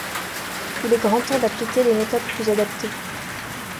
Il est grand temps d'appliquer des méthodes plus adaptées.